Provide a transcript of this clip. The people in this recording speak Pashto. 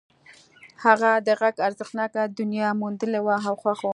هغه د غږ ارزښتناکه دنيا موندلې وه او خوښ و.